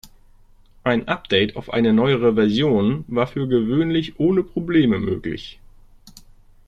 Ein Update auf eine neuere Version war für gewöhnlich ohne Probleme möglich.